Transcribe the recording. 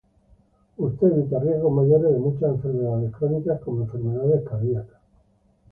usted evita riesgos mayores de muchas enfermedades crónicas como enfermedades cardíacas